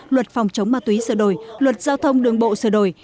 luật phòng chống ma túy sửa đổi luật giao thông đường bộ sửa đổi